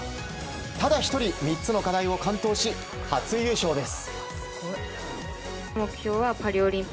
ただ１人３つの課題を完登し初優勝です。